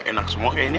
enak semua kayaknya